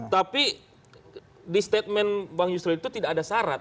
tapi di statement bang yusril itu tidak ada syarat